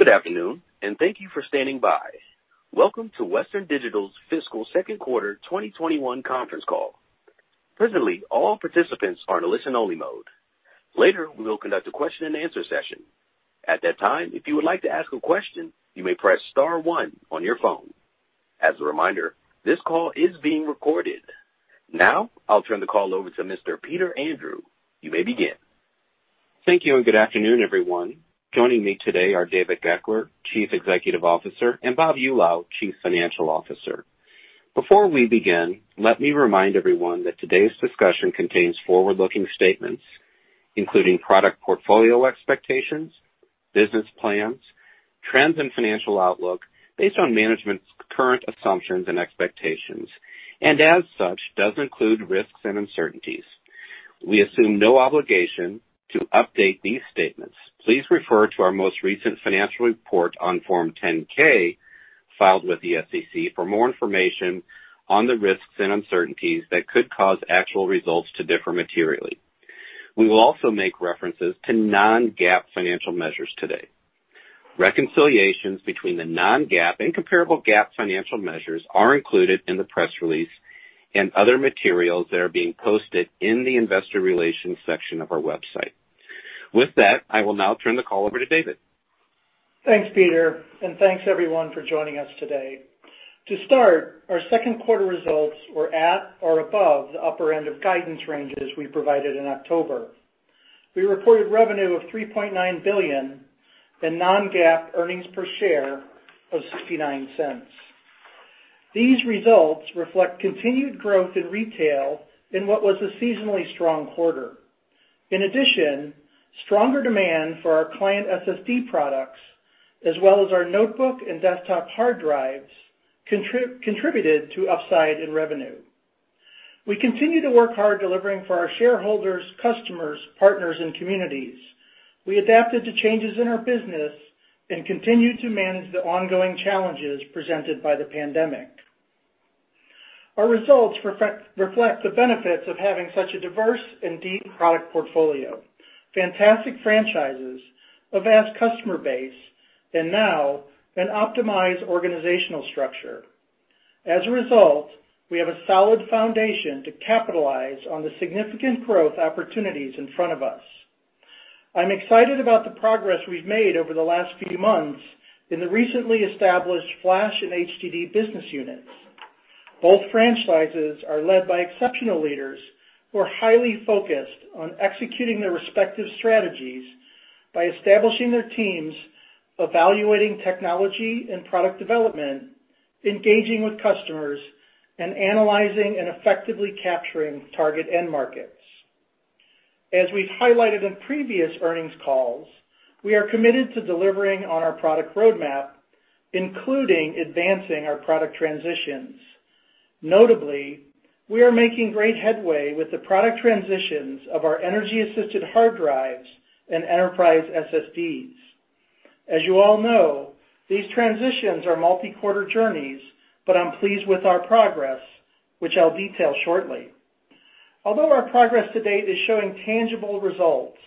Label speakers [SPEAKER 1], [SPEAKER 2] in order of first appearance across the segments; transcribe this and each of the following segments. [SPEAKER 1] Good afternoon, and thank you for standing by. Welcome to Western Digital's fiscal second quarter 2021 conference call. All participants are in a listen-only mode. Later, we will conduct a question and answer session. At that time, if you would like to ask a question, you may press star one on your phone. As a reminder, this call is being recorded. Now, I'll turn the call over to Mr. Peter Andrew. You may begin.
[SPEAKER 2] Thank you, and good afternoon, everyone. Joining me today are David Goeckeler, Chief Executive Officer, and Bob Eulau, Chief Financial Officer. Before we begin, let me remind everyone that today's discussion contains forward-looking statements, including product portfolio expectations, business plans, trends, and financial outlook based on management's current assumptions and expectations, and as such, does include risks and uncertainties. We assume no obligation to update these statements. Please refer to our most recent financial report on Form 10-K filed with the SEC for more information on the risks and uncertainties that could cause actual results to differ materially. We will also make references to non-GAAP financial measures today. Reconciliations between the non-GAAP and comparable GAAP financial measures are included in the press release and other materials that are being posted in the investor relations section of our website. With that, I will now turn the call over to David.
[SPEAKER 3] Thanks, Peter, and thanks everyone for joining us today. To start, our second quarter results were at or above the upper end of guidance ranges we provided in October. We reported revenue of $3.9 billion and non-GAAP earnings per share of $0.69. These results reflect continued growth in retail in what was a seasonally strong quarter. In addition, stronger demand for our client SSD products, as well as our notebook and desktop hard drives, contributed to upside in revenue. We continue to work hard delivering for our shareholders, customers, partners, and communities. We adapted to changes in our business and continued to manage the ongoing challenges presented by the pandemic. Our results reflect the benefits of having such a diverse and deep product portfolio, fantastic franchises, a vast customer base, and now an optimized organizational structure. As a result, we have a solid foundation to capitalize on the significant growth opportunities in front of us. I'm excited about the progress we've made over the last few months in the recently established flash and HDD business units. Both franchises are led by exceptional leaders who are highly focused on executing their respective strategies by establishing their teams, evaluating technology and product development, engaging with customers, and analyzing and effectively capturing target end markets. As we've highlighted in previous earnings calls, we are committed to delivering on our product roadmap, including advancing our product transitions. Notably, we are making great headway with the product transitions of our energy-assisted hard drives and enterprise SSDs. As you all know, these transitions are multi-quarter journeys, but I'm pleased with our progress, which I'll detail shortly. Although our progress to-date is showing tangible results,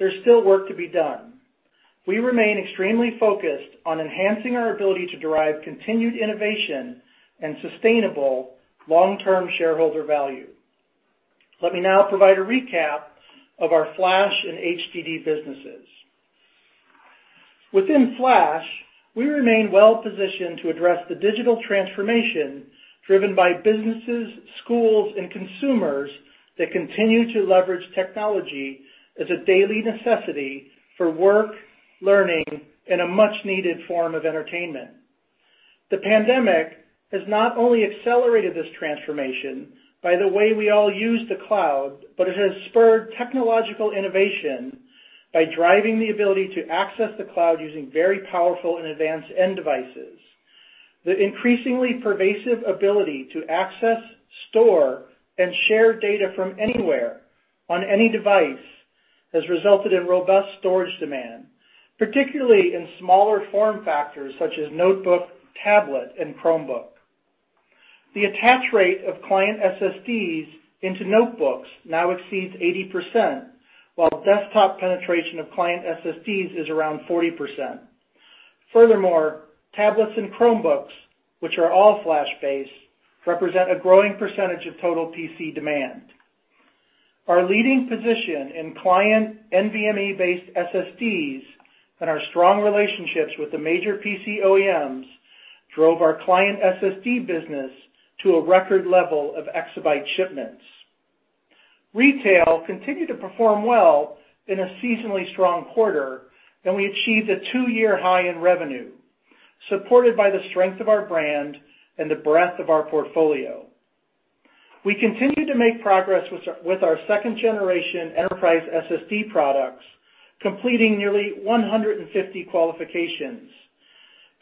[SPEAKER 3] there's still work to be done. We remain extremely focused on enhancing our ability to derive continued innovation and sustainable long-term shareholder value. Let me now provide a recap of our flash and HDD businesses. Within flash, we remain well-positioned to address the digital transformation driven by businesses, schools, and consumers that continue to leverage technology as a daily necessity for work, learning, and a much-needed form of entertainment. The pandemic has not only accelerated this transformation by the way we all use the cloud, but it has spurred technological innovation by driving the ability to access the cloud using very powerful and advanced end devices. The increasingly pervasive ability to access, store, and share data from anywhere on any device has resulted in robust storage demand, particularly in smaller form factors such as notebook, tablet, and Chromebook. The attach rate of client SSDs into notebooks now exceeds 80%, while desktop penetration of client SSDs is around 40%. Furthermore, tablets and Chromebooks, which are all flash-based, represent a growing percentage of total PC demand. Our leading position in client NVMe-based SSDs and our strong relationships with the major PC OEMs drove our client SSD business to a record level of exabyte shipments. Retail continued to perform well in a seasonally strong quarter, and we achieved a two-year high in revenue, supported by the strength of our brand and the breadth of our portfolio. We continue to make progress with our second-generation enterprise SSD products, completing nearly 150 qualifications.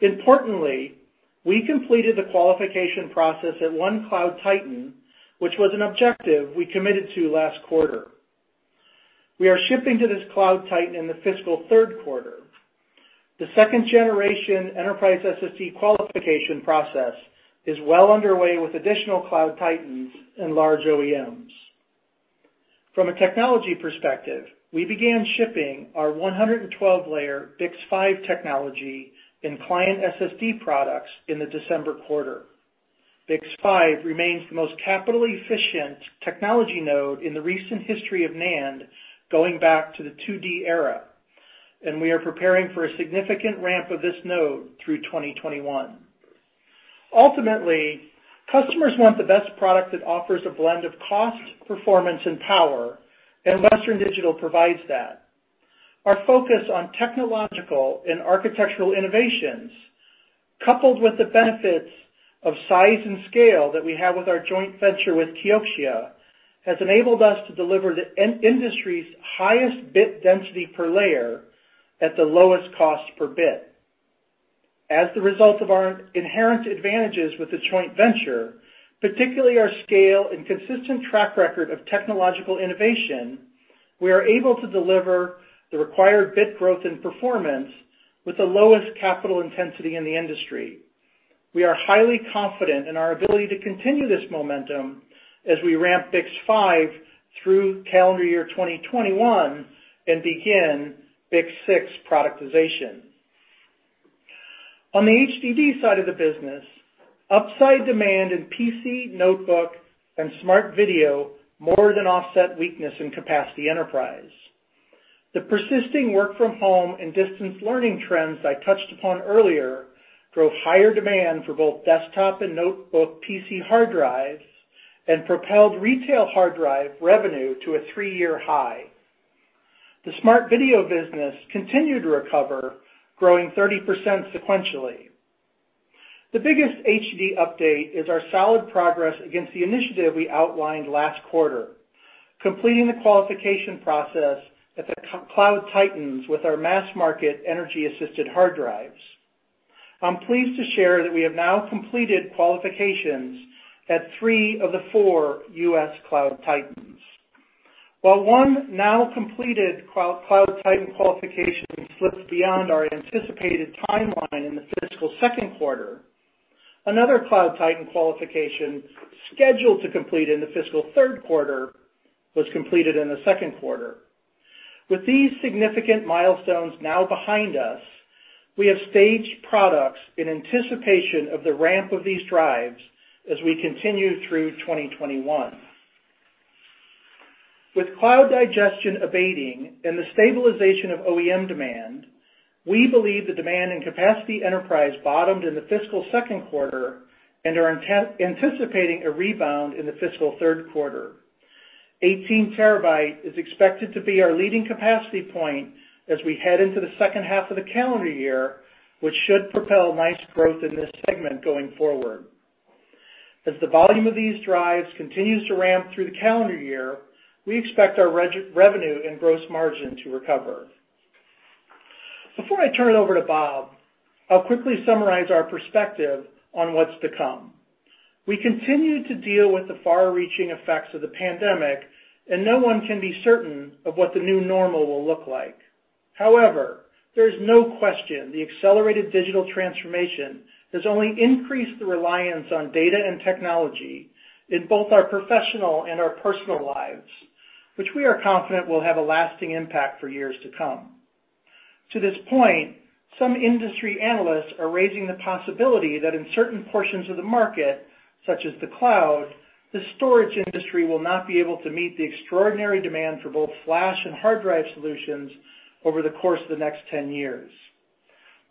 [SPEAKER 3] Importantly, we completed the qualification process at one cloud titan, which was an objective we committed to last quarter. We are shipping to this cloud titan in the fiscal third quarter. The second-generation enterprise SSD qualification process is well underway with additional cloud titans and large OEMs. From a technology perspective, we began shipping our 112-layer BiCS5 technology in client SSD products in the December quarter. BiCS5 remains the most capital-efficient technology node in the recent history of NAND, going back to the 2D era, and we are preparing for a significant ramp of this node through 2021. Ultimately, customers want the best product that offers a blend of cost, performance, and power, and Western Digital provides that. Our focus on technological and architectural innovations, coupled with the benefits of size and scale that we have with our joint venture with Kioxia, has enabled us to deliver the industry's highest bit density per layer at the lowest cost per bit. As the result of our inherent advantages with the joint venture, particularly our scale and consistent track record of technological innovation, we are able to deliver the required bit growth and performance with the lowest capital intensity in the industry. We are highly confident in our ability to continue this momentum as we ramp BiCS5 through calendar year 2021 and begin BiCS6 productization. On the HDD side of the business, upside demand in PC, notebook, and smart video more than offset weakness in capacity enterprise. The persisting work-from-home and distance learning trends I touched upon earlier drove higher demand for both desktop and notebook PC hard drives and propelled retail hard drive revenue to a three-year high. The smart video business continued to recover, growing 30% sequentially. The biggest HDD update is our solid progress against the initiative we outlined last quarter, completing the qualification process at the cloud titans with our mass-market energy-assisted hard drives. I'm pleased to share that we have now completed qualifications at three of the four U.S. cloud titans. While one now-completed cloud titan qualification slipped beyond our anticipated timeline in the fiscal second quarter, another cloud titan qualification scheduled to complete in the fiscal third quarter was completed in the second quarter. With these significant milestones now behind us, we have staged products in anticipation of the ramp of these drives as we continue through 2021. With cloud digestion abating and the stabilization of OEM demand, we believe the demand and capacity enterprise bottomed in the fiscal second quarter and are anticipating a rebound in the fiscal third quarter. 18 TB is expected to be our leading capacity point as we head into the second half of the calendar year, which should propel nice growth in this segment going forward. As the volume of these drives continues to ramp through the calendar year, we expect our revenue and gross margin to recover. Before I turn it over to Bob, I'll quickly summarize our perspective on what's to come. We continue to deal with the far-reaching effects of the pandemic, and no one can be certain of what the new normal will look like. However, there's no question the accelerated digital transformation has only increased the reliance on data and technology in both our professional and our personal lives, which we are confident will have a lasting impact for years to come. To this point, some industry analysts are raising the possibility that in certain portions of the market, such as the cloud, the storage industry will not be able to meet the extraordinary demand for both flash and hard drive solutions over the course of the next 10 years.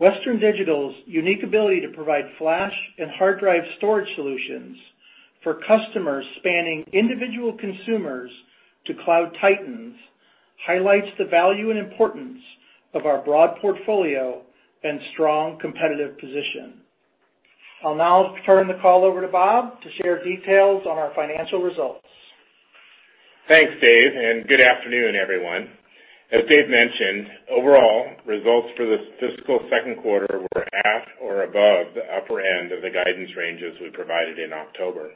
[SPEAKER 3] Western Digital's unique ability to provide flash and hard drive storage solutions for customers spanning individual consumers to cloud titans highlights the value and importance of our broad portfolio and strong competitive position. I'll now turn the call over to Bob to share details on our financial results.
[SPEAKER 4] Thanks, Dave, good afternoon, everyone. As Dave mentioned, overall results for the fiscal second quarter were at or above the upper end of the guidance ranges we provided in October.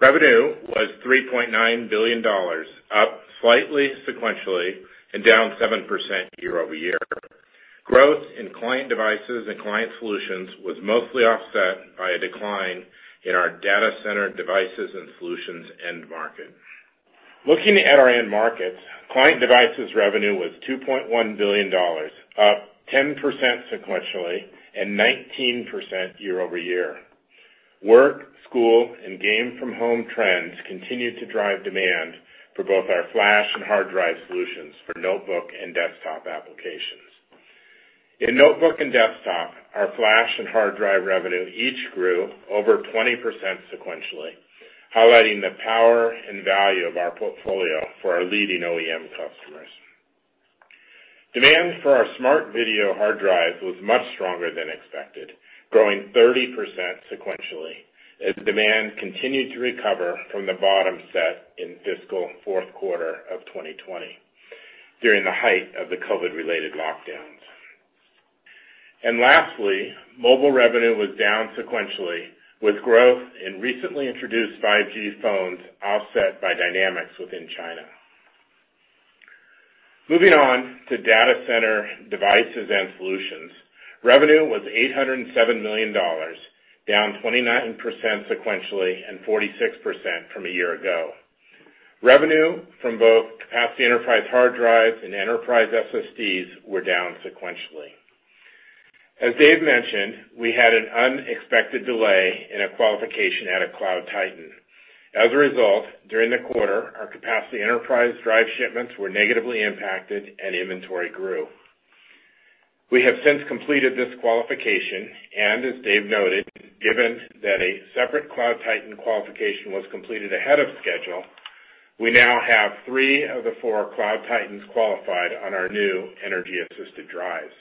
[SPEAKER 4] Revenue was $3.9 billion, up slightly sequentially and down 7% year-over-year. Growth in Client Devices and Client Solutions was mostly offset by a decline in our Data Center Devices and Solutions end market. Looking at our end markets, Client Devices revenue was $2.1 billion, up 10% sequentially and 19% year-over-year. Work, school, and game-from-home trends continued to drive demand for both our flash and hard drive solutions for notebook and desktop applications. In notebook and desktop, our flash and hard drive revenue each grew over 20% sequentially, highlighting the power and value of our portfolio for our leading OEM customers. Demand for our smart video hard drives was much stronger than expected, growing 30% sequentially as demand continued to recover from the bottom set in fiscal fourth quarter of 2020 during the height of the COVID-related lockdowns. Lastly, mobile revenue was down sequentially with growth in recently introduced 5G phones offset by dynamics within China. Moving on to Data Center Devices and Solutions. Revenue was $807 million, down 29% sequentially and 46% from a year ago. Revenue from both capacity enterprise hard drives and enterprise SSDs were down sequentially. As Dave mentioned, we had an unexpected delay in a qualification at a cloud titan. As a result, during the quarter, our capacity enterprise drive shipments were negatively impacted and inventory grew. We have since completed this qualification. As Dave noted, given that a separate cloud titan qualification was completed ahead of schedule, we now have three of the four cloud titans qualified on our new energy-assisted drives.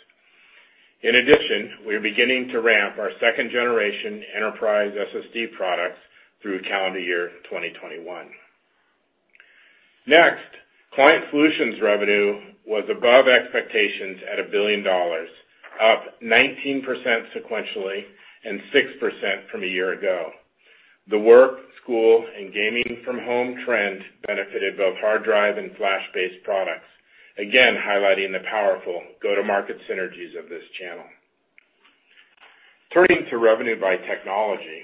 [SPEAKER 4] In addition, we are beginning to ramp our second generation enterprise SSD products through calendar year 2021. Next, client solutions revenue was above expectations at $1 billion, up 19% sequentially and 6% from a year ago. The work, school, and gaming from home trend benefited both hard drive and flash-based products, again highlighting the powerful go-to-market synergies of this channel. Turning to revenue by technology.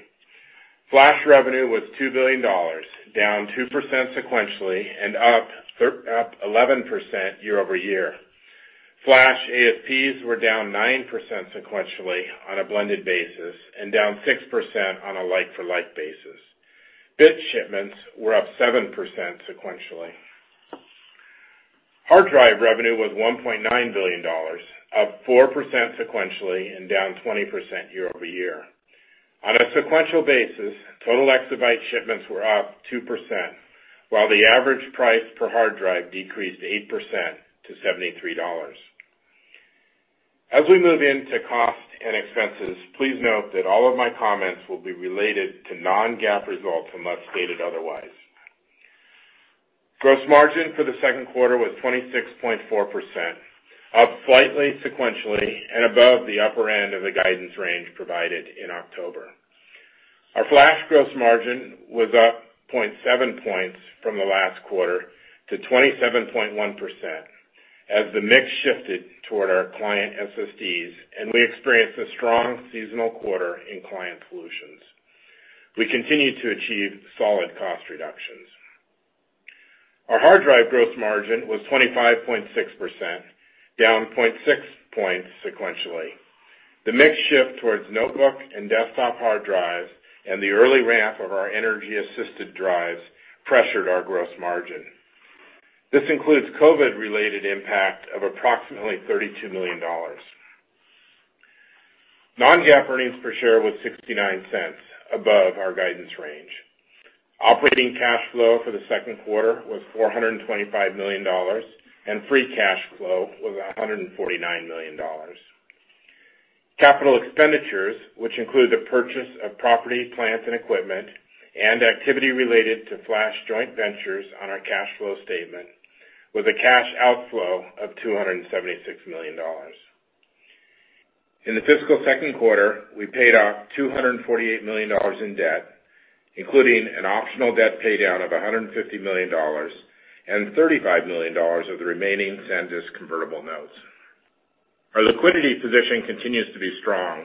[SPEAKER 4] Flash revenue was $2 billion, down 2% sequentially and up 11% year-over-year. Flash ASPs were down 9% sequentially on a blended basis and down 6% on a like-for-like basis. Bit shipments were up 7% sequentially. Hard drive revenue was $1.9 billion, up 4% sequentially and down 20% year-over-year. On a sequential basis, total exabyte shipments were up 2%, while the average price per hard drive decreased 8% to $73. As we move into cost and expenses, please note that all of my comments will be related to non-GAAP results unless stated otherwise. Gross margin for the second quarter was 26.4%, up slightly sequentially and above the upper end of the guidance range provided in October. Our flash gross margin was up 0.7 points from the last quarter to 27.1% as the mix shifted toward our client SSDs and we experienced a strong seasonal quarter in client solutions. We continue to achieve solid cost reductions. Our hard drive gross margin was 25.6%, down 0.6 points sequentially. The mix shift towards notebook and desktop hard drives and the early ramp of our energy-assisted drives pressured our gross margin. This includes COVID-related impact of approximately $32 million. Non-GAAP earnings per share was $0.69 above our guidance range. Operating cash flow for the second quarter was $425 million, and free cash flow was $149 million. Capital expenditures, which include the purchase of property, plant, and equipment and activity related to flash joint ventures on our cash flow statement, with a cash outflow of $276 million. In the fiscal second quarter, we paid off $248 million in debt, including an optional debt paydown of $150 million and $35 million of the remaining SanDisk convertible notes. Our liquidity position continues to be strong.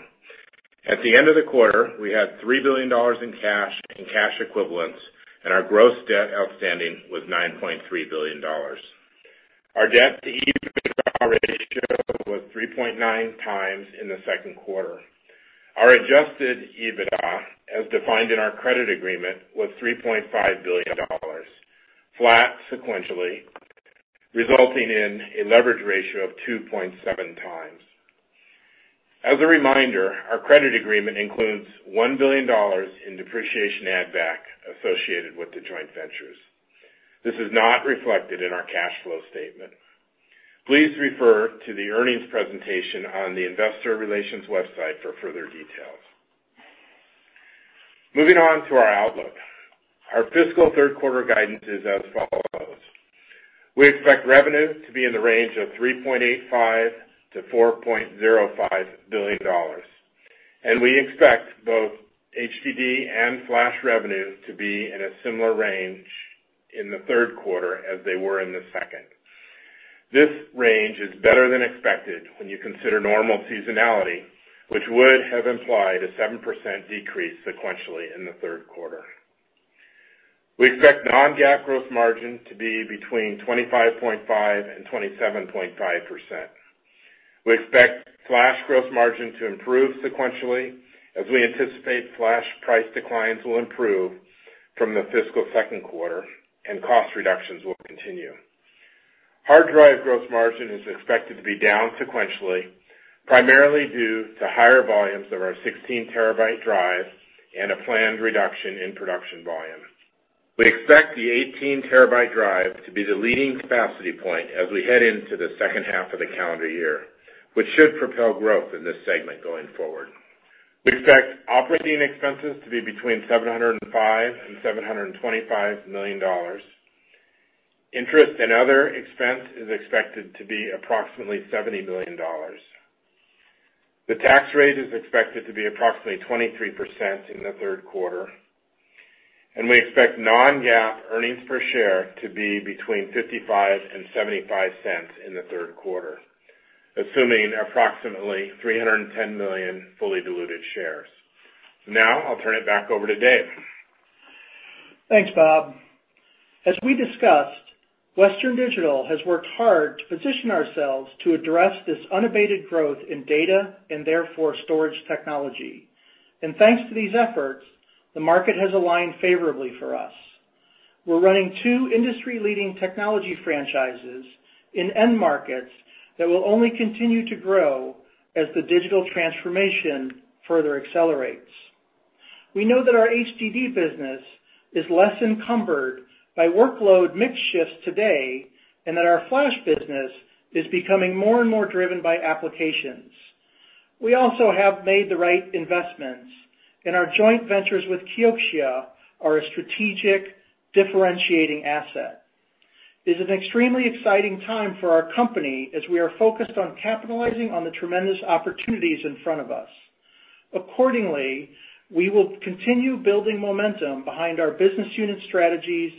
[SPEAKER 4] At the end of the quarter, we had $3 billion in cash and cash equivalents, and our gross debt outstanding was $9.3 billion. Our debt to EBITDA ratio was 3.9x in the second quarter. Our adjusted EBITDA, as defined in our credit agreement, was $3.5 billion, flat sequentially, resulting in a leverage ratio of 2.7x. As a reminder, our credit agreement includes $1 billion in depreciation add back associated with the joint ventures. This is not reflected in our cash flow statement. Please refer to the earnings presentation on the investor relations website for further details. Moving on to our outlook. Our fiscal third quarter guidance is as follows. We expect revenue to be in the range of $3.85 billion-$4.05 billion, and we expect both HDD and flash revenue to be in a similar range in the third quarter as they were in the second. This range is better than expected when you consider normal seasonality, which would have implied a 7% decrease sequentially in the third quarter. We expect non-GAAP gross margin to be between 25.5% and 27.5%. We expect flash gross margin to improve sequentially as we anticipate flash price declines will improve from the fiscal second quarter and cost reductions will continue. Hard drive gross margin is expected to be down sequentially, primarily due to higher volumes of our 16 TB drives and a planned reduction in production volume. We expect the 18 TB drive to be the leading capacity point as we head into the second half of the calendar year, which should propel growth in this segment going forward. We expect operating expenses to be between $705 million and $725 million. Interest and other expense is expected to be approximately $70 million. The tax rate is expected to be approximately 23% in the third quarter. We expect non-GAAP earnings per share to be between $0.55 and $0.75 in the third quarter, assuming approximately 310 million fully diluted shares. Now I'll turn it back over to Dave.
[SPEAKER 3] Thanks, Bob. As we discussed, Western Digital has worked hard to position ourselves to address this unabated growth in data and therefore storage technology. Thanks to these efforts, the market has aligned favorably for us. We're running two industry-leading technology franchises in end markets that will only continue to grow as the digital transformation further accelerates. We know that our HDD business is less encumbered by workload mix shifts today, and that our flash business is becoming more and more driven by applications. We also have made the right investments, and our joint ventures with Kioxia are a strategic differentiating asset. This is an extremely exciting time for our company as we are focused on capitalizing on the tremendous opportunities in front of us. Accordingly, we will continue building momentum behind our business unit strategies,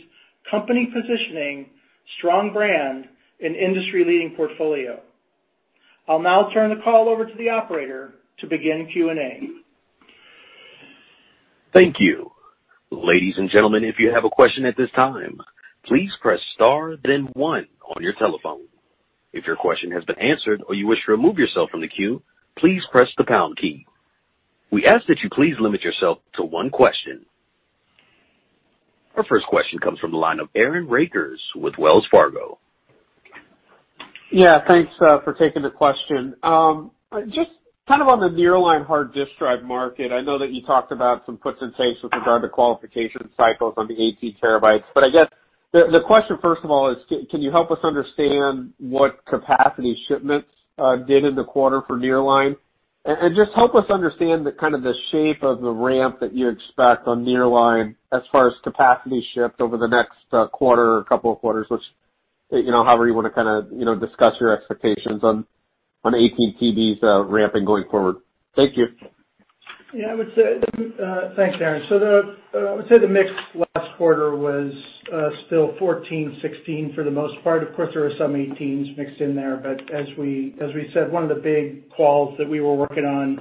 [SPEAKER 3] company positioning, strong brand, and industry-leading portfolio. I'll now turn the call over to the operator to begin Q&A.
[SPEAKER 1] Thank you. Ladies and gentlemen, if you have a question at this time, please press star then one on your telephone. If your question has been answered or you wish to remove yourself from the queue, please press the pound key. We ask that you please limit yourself to one question. Our first question comes from the line of Aaron Rakers with Wells Fargo.
[SPEAKER 5] Yeah. Thanks for taking the question. Just on the nearline Hard Disk Drive market, I know that you talked about some puts and takes with regard to qualification cycles on the 18 TBs, but I guess the question first of all is, can you help us understand what capacity shipments did in the quarter for nearline? Just help us understand the shape of the ramp that you expect on nearline as far as capacity shipped over the next quarter or couple of quarters, which however you want to discuss your expectations on 18 TBs ramping going forward. Thank you.
[SPEAKER 3] Thanks, Aaron. I would say the mix last quarter was still 14 TB, 16 TB for the most part. Of course, there are some 18 TBs mixed in there, as we said, one of the big quals that we were working on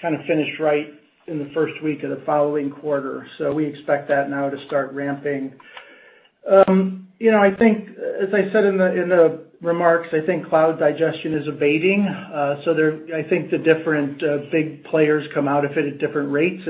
[SPEAKER 3] finished right in the first week of the following quarter. We expect that now to start ramping. I think as I said in the remarks, I think cloud digestion is abating. I think the different big players come out of it at different rates,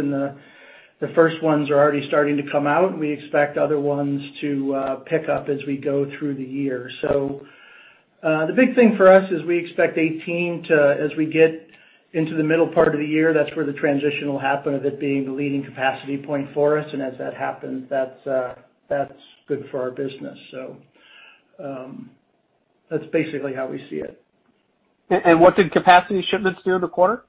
[SPEAKER 3] the first ones are already starting to come out, we expect other ones to pick up as we go through the year. The big thing for us is we expect 18 TB as we get into the middle part of the year. That's where the transition will happen of it being the leading capacity point for us, and as that happens, that's good for our business. That's basically how we see it.
[SPEAKER 5] What did capacity shipments do in the quarter?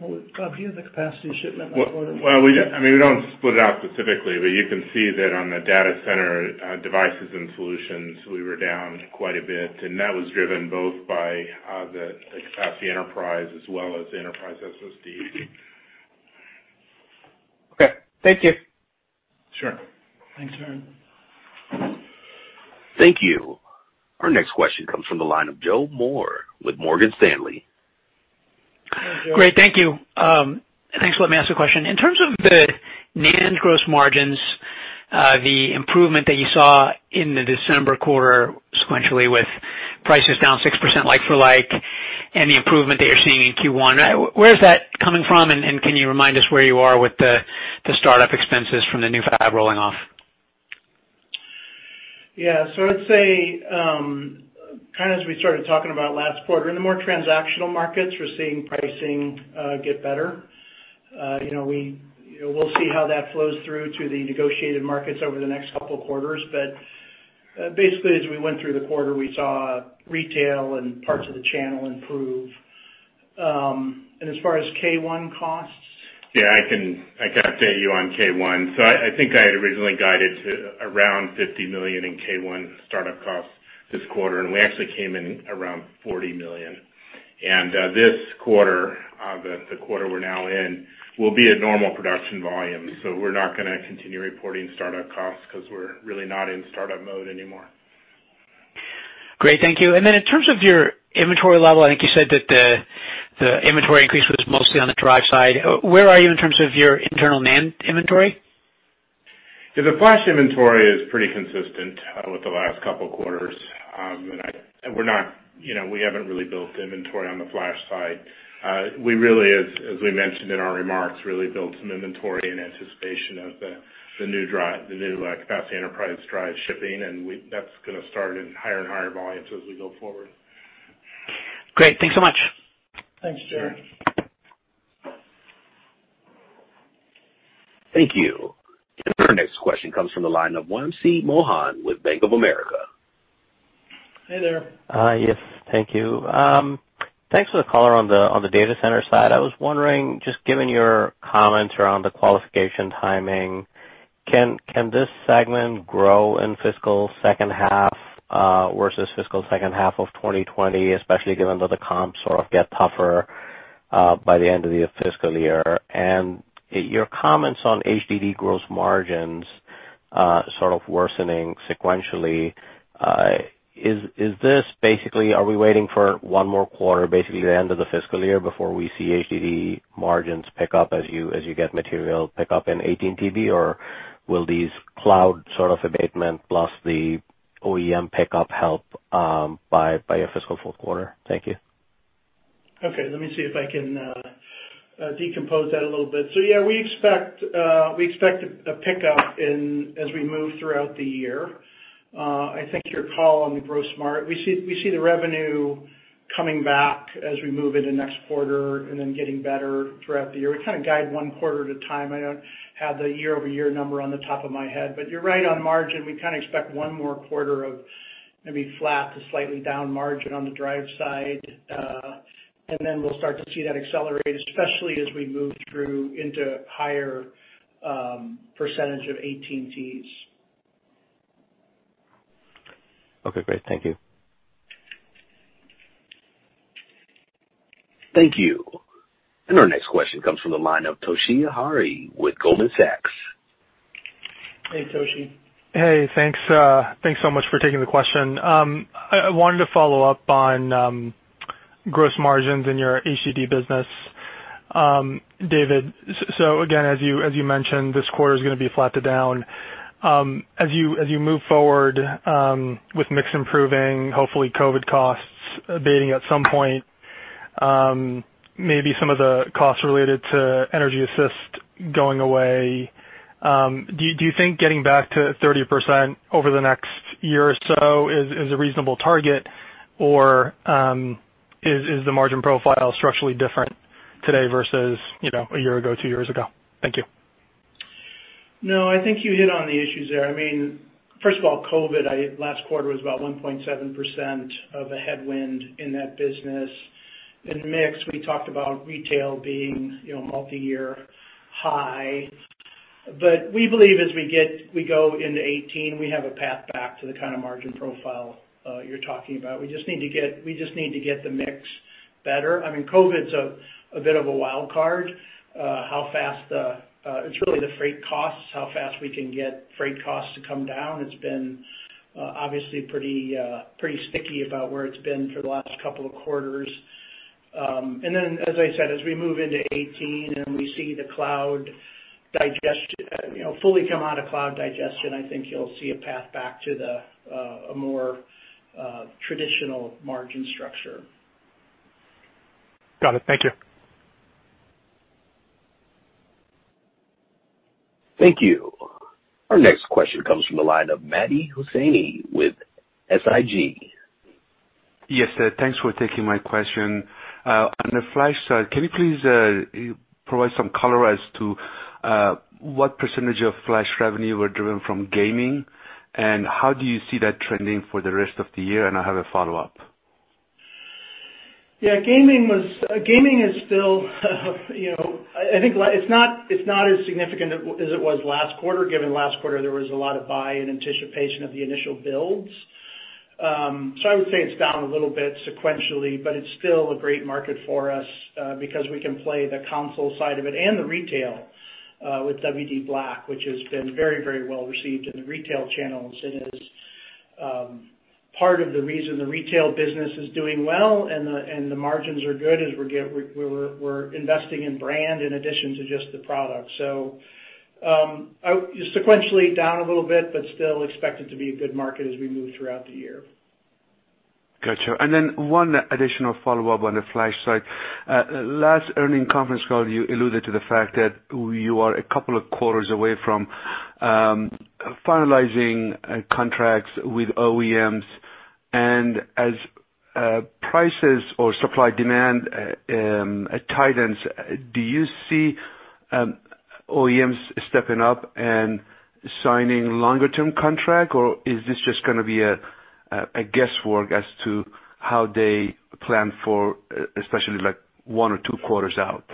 [SPEAKER 3] Well, Bob, do you have the capacity shipment?
[SPEAKER 4] Well, we don't split it out specifically, but you can see that on the Data Center Devices and Solutions, we were down quite a bit, and that was driven both by the capacity enterprise as well as the enterprise SSD.
[SPEAKER 5] Okay. Thank you.
[SPEAKER 4] Sure.
[SPEAKER 3] Thanks, Aaron.
[SPEAKER 1] Thank you. Our next question comes from the line of Joe Moore with Morgan Stanley.
[SPEAKER 6] Great. Thank you. Thanks for letting me ask the question. In terms of the NAND gross margins, the improvement that you saw in the December quarter sequentially with prices down 6% like for like, and the improvement that you're seeing in Q1, where is that coming from? Can you remind us where you are with the startup expenses from the new fab rolling off?
[SPEAKER 3] Yeah. I'd say, as we started talking about last quarter, in the more transactional markets, we're seeing pricing get better. We'll see how that flows through to the negotiated markets over the next couple of quarters. Basically as we went through the quarter, we saw retail and parts of the channel improve. As far as K1 costs.
[SPEAKER 4] Yeah, I can update you on K1. I think I had originally guided to around $50 million in K1 startup costs this quarter, and we actually came in around $40 million. This quarter, the quarter we're now in, will be a normal production volume. We're not going to continue reporting startup costs because we're really not in startup mode anymore.
[SPEAKER 6] Great. Thank you. In terms of your inventory level, I think you said that the inventory increase was mostly on the drive side. Where are you in terms of your internal NAND inventory?
[SPEAKER 4] The flash inventory is pretty consistent with the last couple of quarters. We haven't really built inventory on the flash side. We really, as we mentioned in our remarks, really built some inventory in anticipation of the new capacity enterprise drive shipping. That's going to start in higher and higher volumes as we go forward.
[SPEAKER 6] Great. Thanks so much.
[SPEAKER 3] Thanks, Joe.
[SPEAKER 4] Sure.
[SPEAKER 1] Thank you. Our next question comes from the line of Wamsi Mohan with Bank of America.
[SPEAKER 3] Hey there.
[SPEAKER 7] Yes, thank you. Thanks for the color on the data center side. I was wondering, just given your comments around the qualification timing. Can this segment grow in fiscal second half versus fiscal second half of 2020, especially given that the comps sort of get tougher by the end of the fiscal year? Your comments on HDD gross margins sort of worsening sequentially, is this basically are we waiting for one more quarter, basically the end of the fiscal year before we see HDD margins pick up as you get material pick up in 18 TB? Will these cloud sort of abatement plus the OEM pickup help by your fiscal fourth quarter? Thank you.
[SPEAKER 3] Okay, let me see if I can decompose that a little bit. Yeah, we expect a pickup as we move throughout the year. I think your call on the gross margin. We see the revenue coming back as we move into next quarter and then getting better throughout the year. We kind of guide one quarter at a time. I don't have the year-over-year number on the top of my head, but you're right on margin. We kind of expect one more quarter of maybe flat to slightly down margin on the drive side. Then we'll start to see that accelerate, especially as we move through into higher percentage of 18 TBs.
[SPEAKER 7] Okay, great. Thank you.
[SPEAKER 1] Thank you. Our next question comes from the line of Toshiya Hari with Goldman Sachs.
[SPEAKER 3] Hey, Toshi.
[SPEAKER 8] Hey, thanks. Thanks so much for taking the question. I wanted to follow up on gross margins in your HDD business. David, again, as you mentioned, this quarter is going to be flat to down. As you move forward with mix improving, hopefully COVID costs abating at some point, maybe some of the costs related to Energy Assist going away. Do you think getting back to 30% over the next year or so is a reasonable target? Is the margin profile structurally different today versus a year ago, two years ago? Thank you.
[SPEAKER 3] No, I think you hit on the issues there. First of all, COVID, last quarter was about 1.7% of a headwind in that business. Mix, we talked about retail being multi-year high. We believe as we go into 2018, we have a path back to the kind of margin profile you're talking about. We just need to get the mix better. COVID's a bit of a wild card. It's really the freight costs, how fast we can get freight costs to come down. It's been obviously pretty sticky about where it's been for the last couple of quarters. As I said, as we move into 2018 and we see the cloud digestion, fully come out of cloud digestion, I think you'll see a path back to a more traditional margin structure.
[SPEAKER 8] Got it. Thank you.
[SPEAKER 1] Thank you. Our next question comes from the line of Mehdi Hosseini with SIG.
[SPEAKER 9] Yes, sir. Thanks for taking my question. On the flash side, can you please provide some color as to what percentage of flash revenue were driven from gaming, and how do you see that trending for the rest of the year? I have a follow-up.
[SPEAKER 3] Yeah. Gaming is still I think it's not as significant as it was last quarter, given last quarter there was a lot of buy-in anticipation of the initial builds. I would say it's down a little bit sequentially, but it's still a great market for us, because we can play the console side of it and the retail with WD_BLACK, which has been very well received in the retail channels and is part of the reason the retail business is doing well and the margins are good as we're investing in brand in addition to just the product. Sequentially down a little bit, but still expect it to be a good market as we move throughout the year.
[SPEAKER 9] Got you. One additional follow-up on the flash side. Last earnings conference call, you alluded to the fact that you are a couple of quarters away from finalizing contracts with OEMs, and as prices or supply-demand tightens, do you see OEMs stepping up and signing longer-term contract, or is this just going to be a guesswork as to how they plan for, especially one or two quarters out?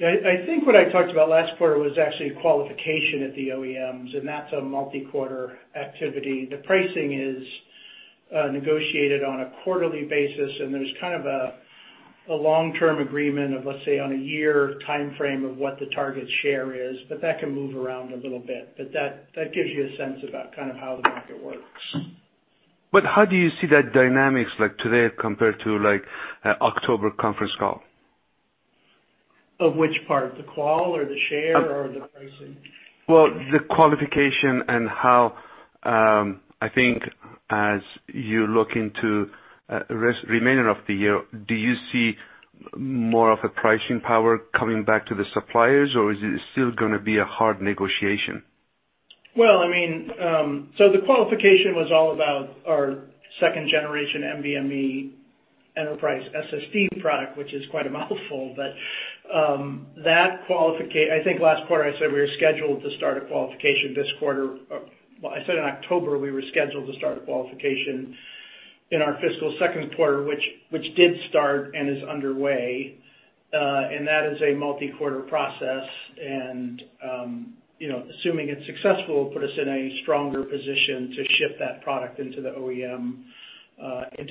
[SPEAKER 3] I think what I talked about last quarter was actually qualification at the OEMs. That's a multi-quarter activity. The pricing is negotiated on a quarterly basis, and there's kind of a long-term agreement of, let's say, on a year timeframe of what the target share is, but that can move around a little bit. That gives you a sense about kind of how the market works.
[SPEAKER 9] How do you see that dynamics like today compared to October conference call?
[SPEAKER 3] Of which part? The qual or the share or the pricing?
[SPEAKER 9] Well, the qualification and how, I think as you look into remainder of the year, do you see more of a pricing power coming back to the suppliers, or is it still going to be a hard negotiation?
[SPEAKER 3] Well, the qualification was all about our second generation NVMe Enterprise SSD product, which is quite a mouthful. I think last quarter I said we were scheduled to start a qualification this quarter. Well, I said in October we were scheduled to start a qualification in our fiscal second quarter, which did start and is underway, and that is a multi-quarter process. Assuming it's successful, put us in a stronger position to ship that product into the big OEM. It's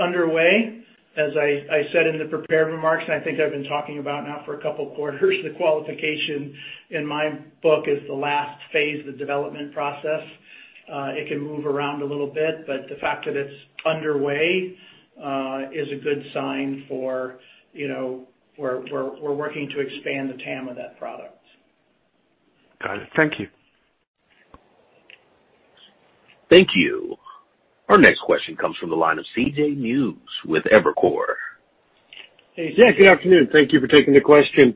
[SPEAKER 3] underway. As I said in the prepared remarks, and I think I've been talking about now for a couple of quarters, the qualification, in my book, is the last phase of the development process. It can move around a little bit, but the fact that it's underway is a good sign for we're working to expand the TAM of that product.
[SPEAKER 9] Got it. Thank you.
[SPEAKER 1] Thank you. Our next question comes from the line of CJ Muse with Evercore.
[SPEAKER 10] Hey, Jeff, good afternoon. Thank you for taking the question.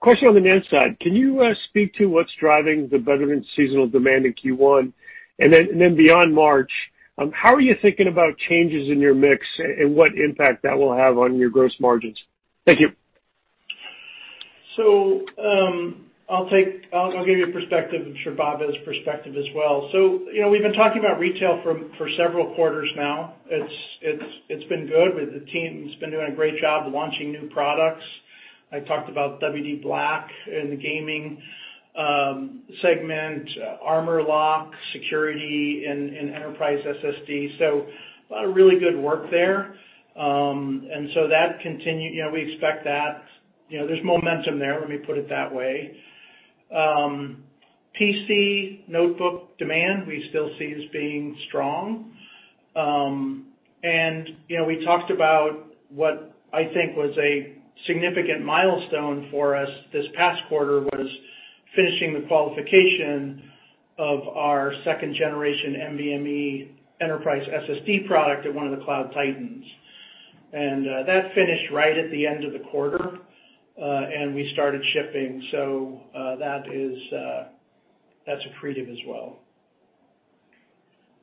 [SPEAKER 10] Question on the NAND side. Can you speak to what's driving the better than seasonal demand in Q1? Beyond March, how are you thinking about changes in your mix and what impact that will have on your gross margins? Thank you.
[SPEAKER 3] I'll give you a perspective, I'm sure Bob has perspective as well. We've been talking about retail for several quarters now. It's been good. The team's been doing a great job launching new products. I talked about WD_BLACK in the gaming segment, ArmorLock, security in enterprise SSD. A lot of really good work there. We expect that. There's momentum there, let me put it that way. PC notebook demand, we still see as being strong. We talked about what I think was a significant milestone for us this past quarter, was finishing the qualification of our second generation NVMe enterprise SSD product at one of the cloud titans. That finished right at the end of the quarter, and we started shipping. That's accretive as well.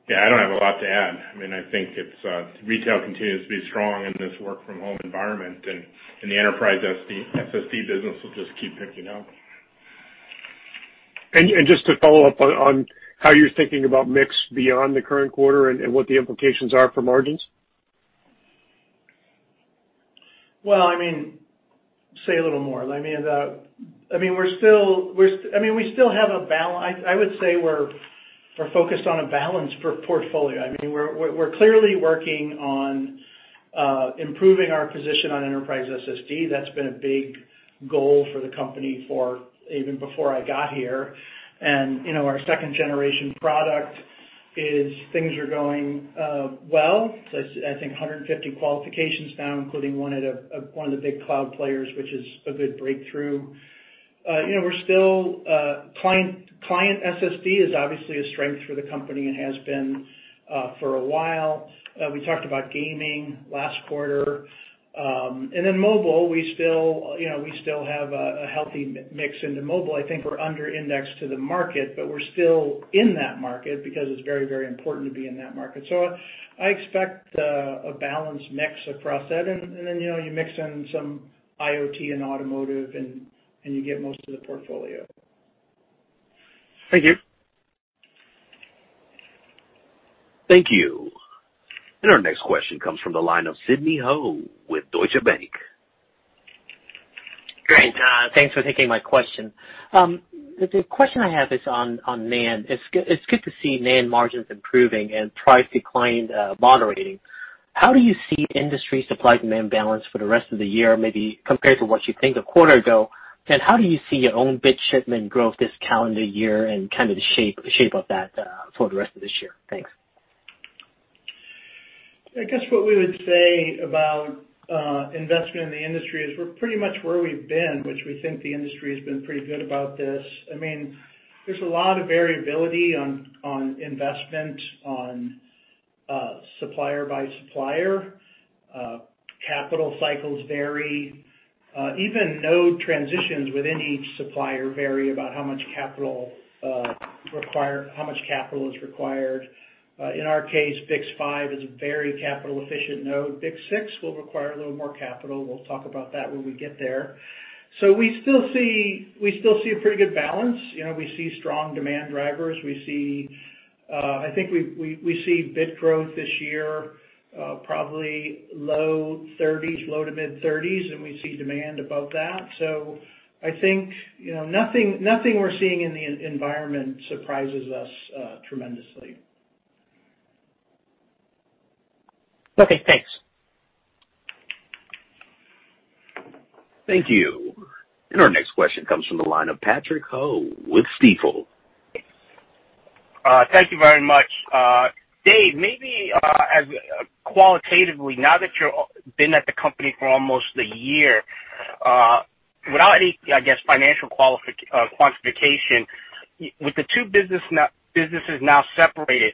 [SPEAKER 4] Yeah, I don't have a lot to add. I think retail continues to be strong in this work from home environment, the enterprise SSD business will just keep picking up.
[SPEAKER 10] Just to follow up on how you're thinking about mix beyond the current quarter and what the implications are for margins.
[SPEAKER 3] Say a little more. I would say we're focused on a balanced portfolio. We're clearly working on improving our position on enterprise SSD. That's been a big goal for the company for even before I got here. Our second generation product is, things are going well. I think 150 qualifications now, including one of the big cloud players, which is a good breakthrough. Client SSD is obviously a strength for the company and has been for a while. We talked about gaming last quarter. Mobile, we still have a healthy mix into mobile. I think we're under indexed to the market, but we're still in that market because it's very, very important to be in that market. I expect a balanced mix across that. You mix in some IoT and automotive, and you get most of the portfolio.
[SPEAKER 10] Thank you.
[SPEAKER 1] Thank you. Our next question comes from the line of Sidney Ho with Deutsche Bank.
[SPEAKER 11] Great. Thanks for taking my question. The question I have is on NAND. It's good to see NAND margins improving and price decline moderating. How do you see industry supply demand balance for the rest of the year, maybe compared to what you think a quarter ago? How do you see your own bit shipment growth this calendar year and the shape of that for the rest of this year? Thanks.
[SPEAKER 3] I guess what we would say about investment in the industry is we're pretty much where we've been, which we think the industry has been pretty good about this. There's a lot of variability on investment, on supplier by supplier. Capital cycles vary. Even node transitions within each supplier vary about how much capital is required. In our case, BiCS5 is a very capital efficient node. BiCS6 will require a little more capital. We'll talk about that when we get there. We still see a pretty good balance. We see strong demand drivers. I think we see bit growth this year, probably low 30%, low to mid-30s, and we see demand above that. I think nothing we're seeing in the environment surprises us tremendously.
[SPEAKER 11] Okay, thanks.
[SPEAKER 1] Thank you. Our next question comes from the line of Patrick Ho with Stifel.
[SPEAKER 12] Thank you very much. Dave, maybe qualitatively, now that you've been at the company for almost a year, without any financial quantification, with the two businesses now separated,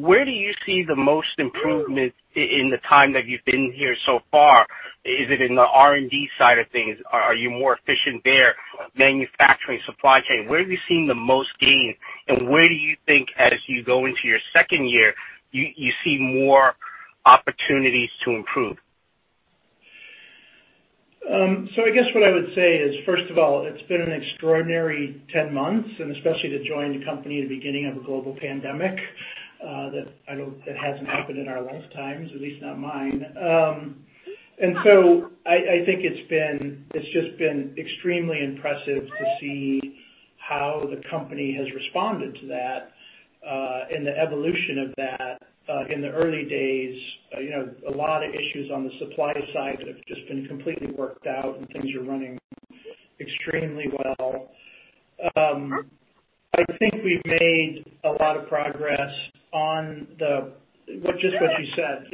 [SPEAKER 12] where do you see the most improvement in the time that you've been here so far? Is it in the R&D side of things? Are you more efficient there? Manufacturing, supply chain, where are you seeing the most gain? Where do you think as you go into your second year, you see more opportunities to improve?
[SPEAKER 3] I guess what I would say is, first of all, it's been an extraordinary 10 months, and especially to join the company at the beginning of a global pandemic, that hasn't happened in our lifetimes, at least not mine. I think it's just been extremely impressive to see how the company has responded to that, and the evolution of that in the early days. A lot of issues on the supply side that have just been completely worked out. Things are running extremely well. I think we've made a lot of progress on just what you said.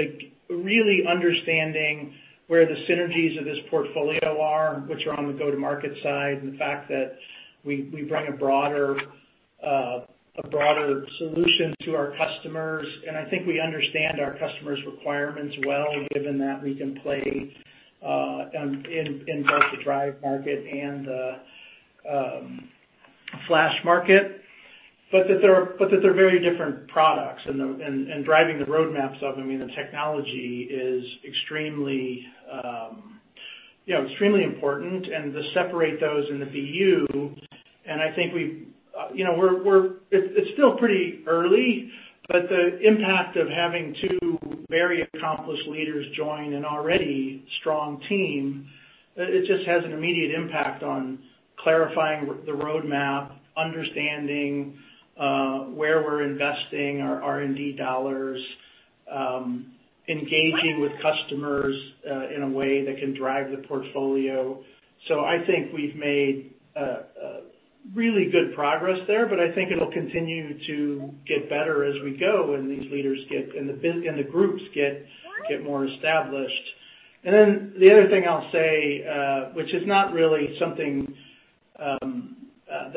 [SPEAKER 3] Really understanding where the synergies of this portfolio are, which are on the go-to-market side, and the fact that we bring a broader solution to our customers. I think we understand our customers' requirements well, given that we can play in both the drive market and the flash market. That they're very different products, and driving the roadmaps of them and the technology is extremely important. To separate those in the BU, and it's still pretty early, but the impact of having two very accomplished leaders join an already strong team, it just has an immediate impact on clarifying the roadmap, understanding where we're investing our R&D dollars, engaging with customers in a way that can drive the portfolio. I think we've made really good progress there. I think it'll continue to get better as we go and these leaders and the groups get more established. The other thing I'll say which is not really something that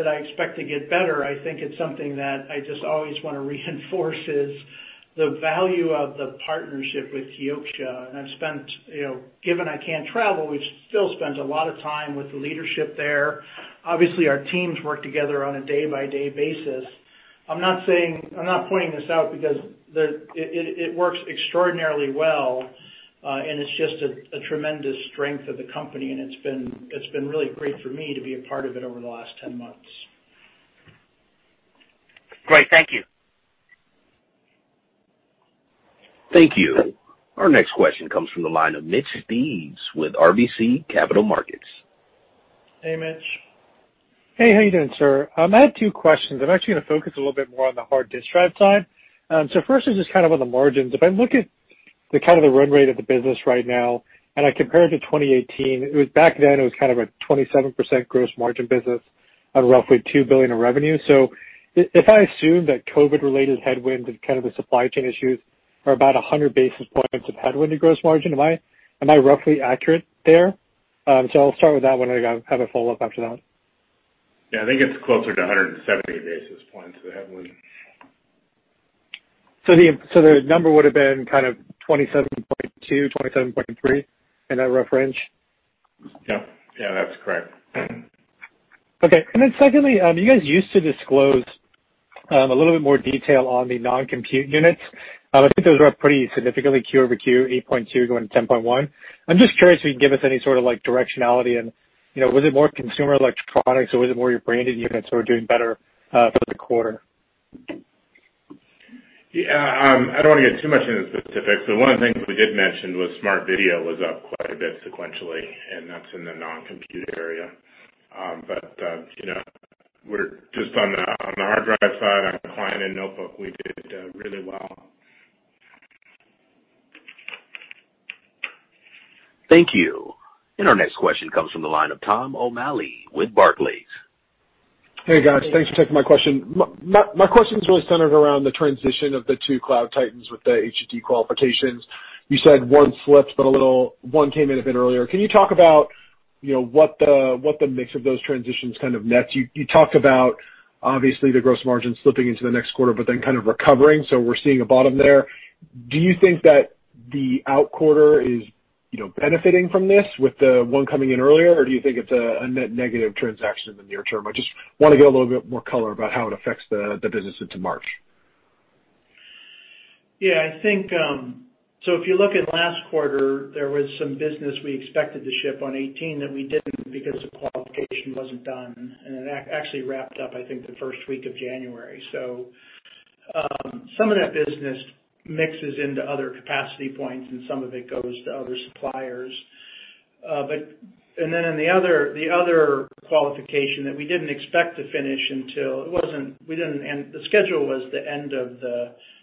[SPEAKER 3] I expect to get better, I think it's something that I just always want to reinforce, is the value of the partnership with Kioxia. Given I can't travel, we've still spent a lot of time with the leadership there. Obviously, our teams work together on a day-by-day basis. I'm not pointing this out because it works extraordinarily well, and it's just a tremendous strength of the company, and it's been really great for me to be a part of it over the last 10 months.
[SPEAKER 12] Great. Thank you.
[SPEAKER 1] Thank you. Our next question comes from the line of Mitch Steves with RBC Capital Markets.
[SPEAKER 3] Hey, Mitch.
[SPEAKER 13] Hey, how you doing, sir? I have two questions. I'm actually going to focus a little bit more on the hard disk drive side. First is just on the margins. If I look at the run rate of the business right now and I compare it to 2018, back then it was a 27% gross margin business on roughly $2 billion of revenue. If I assume that COVID related headwinds and the supply chain issues are about 100 basis points of headwind to gross margin, am I roughly accurate there? I'll start with that one, and I have a follow-up after that.
[SPEAKER 4] Yeah, I think it's closer to 170 basis points of headwind.
[SPEAKER 13] The number would've been 27.2%, 27.3%, in that rough range?
[SPEAKER 4] Yep. Yeah, that's correct.
[SPEAKER 13] Okay. Secondly, you guys used to disclose a little bit more detail on the non-compute units. I think those are up pretty significantly Q-over-Q, 8.2 going to 10.1. I'm just curious if you can give us any sort of directionality and was it more consumer electronics or was it more your branded units that were doing better for the quarter?
[SPEAKER 4] Yeah. I don't want to get too much into the specifics, but one of the things we did mention was smart video was up quite a bit sequentially, and that's in the non-compute area. Just on the hard drive side, on the client and notebook, we did really well.
[SPEAKER 1] Thank you. Our next question comes from the line of Tom O'Malley with Barclays.
[SPEAKER 14] Hey, guys. Thanks for taking my question. My question is really centered around the transition of the two cloud titans with the HDD qualifications. You said one slipped a little, one came in a bit earlier. Can you talk about what the mix of those transitions kind of nets? You talked about, obviously, the gross margin slipping into the next quarter, but then kind of recovering, so we are seeing a bottom there. Do you think that the outquarter is benefiting from this with the one coming in earlier, or do you think it is a net negative transaction in the near term? I just want to get a little bit more color about how it affects the business into March.
[SPEAKER 3] Yeah. If you look at last quarter, there was some business we expected to ship on 2018 that we didn't because the qualification wasn't done, and it actually wrapped up, I think, the first week of January. Some of that business mixes into other capacity points, and some of it goes to other suppliers. In the other qualification that we didn't expect to finish until-- The schedule was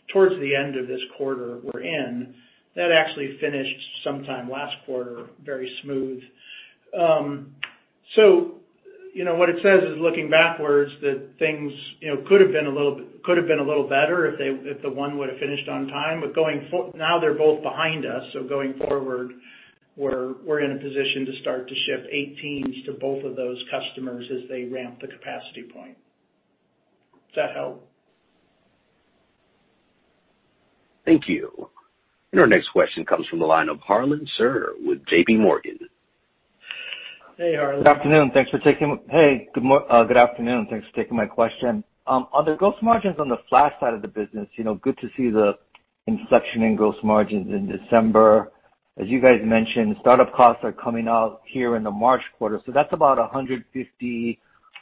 [SPEAKER 3] towards the end of this quarter we're in. That actually finished sometime last quarter, very smooth. What it says is looking backwards, that things could've been a little better if the one would've finished on time. Now they're both behind us, so going forward, we're in a position to start to ship 18s to both of those customers as they ramp the capacity point. Does that help?
[SPEAKER 1] Thank you. Our next question comes from the line of Harlan Sur with JPMorgan.
[SPEAKER 3] Hey, Harlan.
[SPEAKER 15] Good afternoon. Hey, good afternoon. Thanks for taking my question. On the gross margins on the flash side of the business, good to see the inflection in gross margins in December. As you guys mentioned, startup costs are coming out here in the March quarter, that's about 150,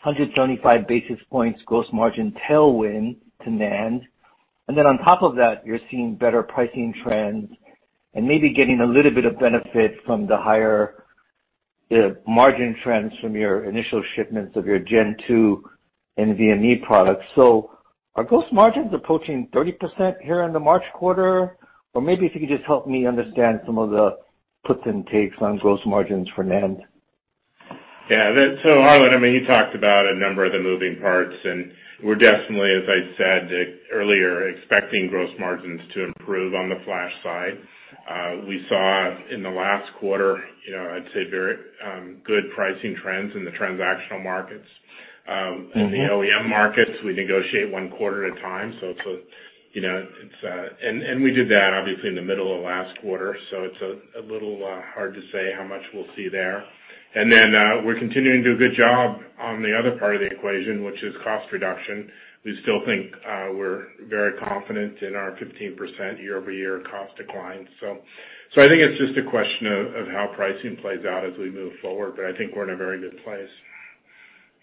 [SPEAKER 15] 175 basis points gross margin tailwind to NAND. Then on top of that, you're seeing better pricing trends and maybe getting a little bit of benefit from the higher margin trends from your initial shipments of your gen two NVMe products. Are gross margins approaching 30% here in the March quarter? Or maybe if you could just help me understand some of the puts and takes on gross margins for NAND.
[SPEAKER 4] Yeah. Harlan, he talked about a number of the moving parts, and we're definitely, as I said earlier, expecting gross margins to improve on the flash side. We saw in the last quarter, I'd say very good pricing trends in the transactional markets. In the OEM markets, we negotiate one quarter at a time. We did that obviously in the middle of last quarter, so it's a little hard to say how much we'll see there. Then, we're continuing to do a good job on the other part of the equation, which is cost reduction. We still think we're very confident in our 15% year-over-year cost decline. I think it's just a question of how pricing plays out as we move forward. I think we're in a very good place.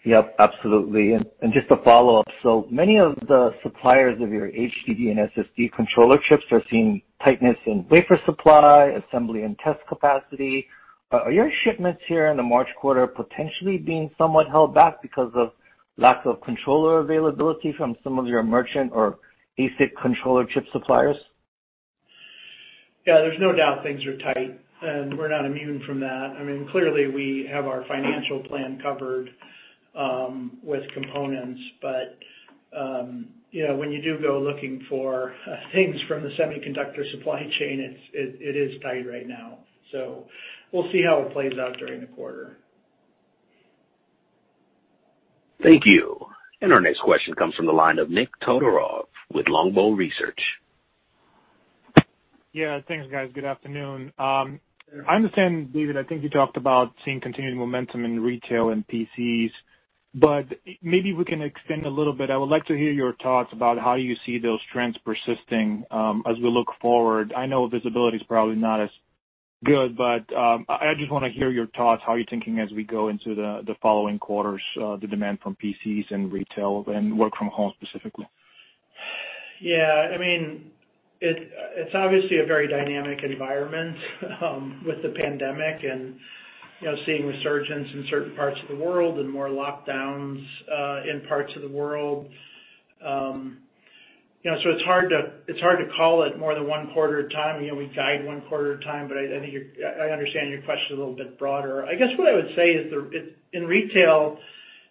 [SPEAKER 15] Yep, absolutely. Just a follow-up. Many of the suppliers of your HDD and SSD controller chips are seeing tightness in wafer supply, assembly, and test capacity. Are your shipments here in the March quarter potentially being somewhat held back because of lack of controller availability from some of your merchant or ASIC controller chip suppliers?
[SPEAKER 3] Yeah, there's no doubt things are tight. We're not immune from that. Clearly we have our financial plan covered with components. When you do go looking for things from the semiconductor supply chain, it is tight right now. We'll see how it plays out during the quarter.
[SPEAKER 1] Thank you. Our next question comes from the line of Nik Todorov with Longbow Research.
[SPEAKER 16] Yeah, thanks, guys. Good afternoon. I understand, David, I think you talked about seeing continuing momentum in retail and PCs. Maybe we can extend a little bit. I would like to hear your thoughts about how you see those trends persisting as we look forward. I know visibility's probably not as good. I just want to hear your thoughts, how you're thinking as we go into the following quarters, the demand from PCs and retail and work from home specifically.
[SPEAKER 3] Yeah. It's obviously a very dynamic environment with the pandemic and seeing resurgences in certain parts of the world and more lockdowns in parts of the world. It's hard to call it more than one quarter at a time. We guide one quarter at a time, but I understand your question a little bit broader. I guess what I would say is in retail,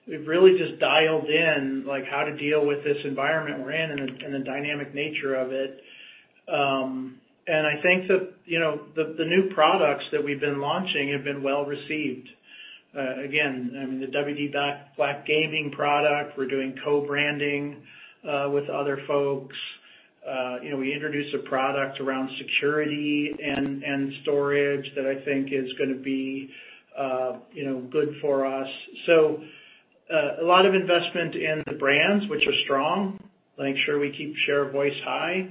[SPEAKER 3] we've really just dialed in how to deal with this environment we're in and the dynamic nature of it. I think that the new products that we've been launching have been well-received. Again, the WD_BLACK gaming product, we're doing co-branding with other folks. We introduced a product around security and storage that I think is going to be good for us. A lot of investment in the brands, which are strong, making sure we keep share of voice high.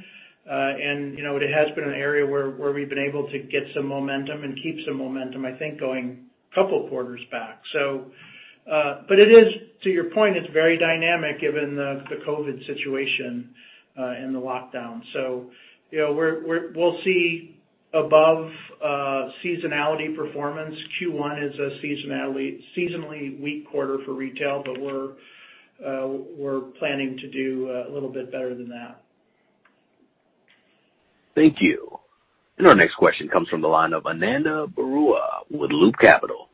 [SPEAKER 3] It has been an area where we've been able to get some momentum and keep some momentum, I think, going a couple quarters back. To your point, it's very dynamic given the COVID situation and the lockdown. We'll see above seasonality performance. Q1 is a seasonally weak quarter for retail, but we're planning to do a little bit better than that.
[SPEAKER 1] Thank you. Our next question comes from the line of Ananda Baruah with Loop Capital.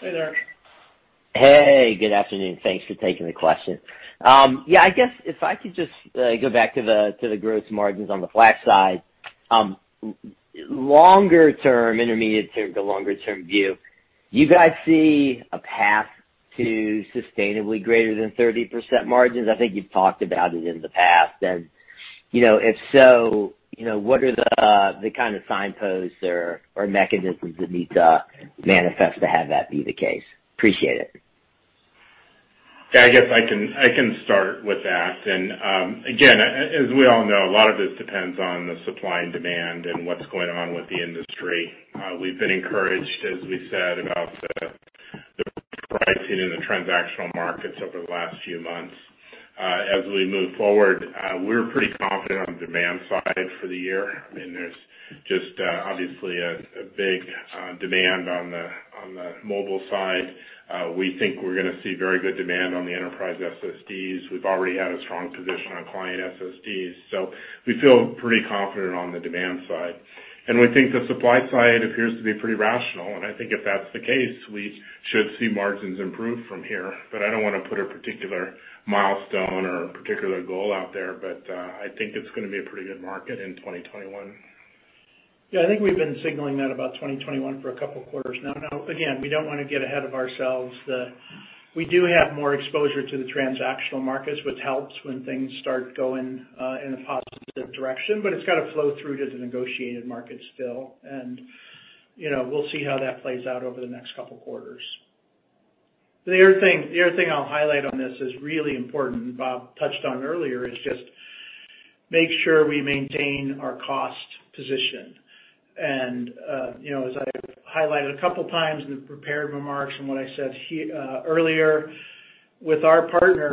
[SPEAKER 3] Hey there.
[SPEAKER 17] Hey, good afternoon. Thanks for taking the question. I guess if I could just go back to the gross margins on the flash side. Longer-term, intermediate-term to longer-term view, you guys see a path to sustainably greater than 30% margins? I think you've talked about it in the past. If so, what are the kind of signposts or mechanisms that need to manifest to have that be the case? Appreciate it.
[SPEAKER 4] Yeah, I guess I can start with that. Again, as we all know, a lot of this depends on the supply and demand and what's going on with the industry. We've been encouraged, as we said, about the pricing in the transactional markets over the last few months. As we move forward, we're pretty confident on the demand side for the year. There's just obviously a big demand on the mobile side. We think we're going to see very good demand on the enterprise SSDs. We've already had a strong position on client SSDs, so we feel pretty confident on the demand side. We think the supply side appears to be pretty rational, and I think if that's the case, we should see margins improve from here. I don't want to put a particular milestone or a particular goal out there, but I think it's going to be a pretty good market in 2021.
[SPEAKER 3] Yeah, I think we've been signaling that about 2021 for a couple quarters now. Again, we don't want to get ahead of ourselves. We do have more exposure to the transactional markets, which helps when things start going in a positive direction, but it's got to flow through to the negotiated markets still, and we'll see how that plays out over the next couple quarters. The other thing I'll highlight on this is really important, Bob touched on earlier, is just make sure we maintain our cost position. As I highlighted a couple of times in the prepared remarks and what I said earlier, with our partner,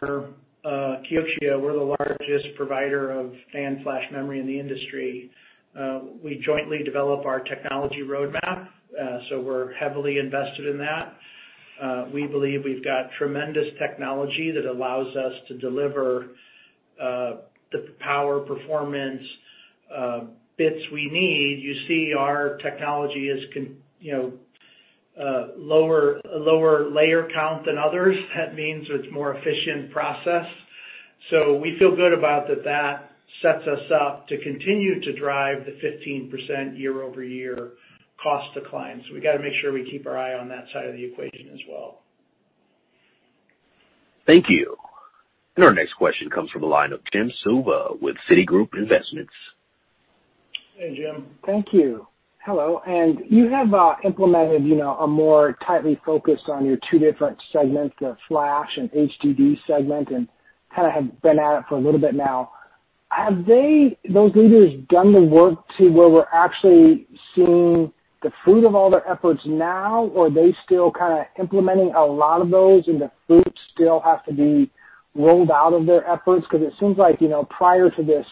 [SPEAKER 3] Kioxia, we're the largest provider of NAND flash memory in the industry. We jointly develop our technology roadmap, we're heavily invested in that. We believe we've got tremendous technology that allows us to deliver the power performance bits we need. You see our technology is lower layer count than others. That means it's more efficient process. We feel good about that that sets us up to continue to drive the 15% year-over-year cost decline. We got to make sure we keep our eye on that side of the equation as well.
[SPEAKER 1] Thank you. Our next question comes from the line of Jim Suva with Citigroup Investments.
[SPEAKER 3] Hey, Jim.
[SPEAKER 18] Thank you. Hello, you have implemented a more tightly focus on your two different segments, the flash and HDD segment, and have been at it for a little bit now. Have those leaders done the work to where we're actually seeing the fruit of all their efforts now, or are they still implementing a lot of those and the fruits still have to be rolled out of their efforts? It seems like, prior to this,